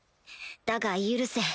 だが許せ